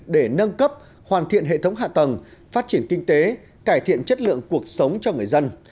để nâng cấp hoàn thiện hệ thống hạ tầng phát triển kinh tế cải thiện chất lượng cuộc sống cho người dân